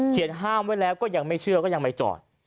ห้ามไว้แล้วก็ยังไม่เชื่อก็ยังไม่จอด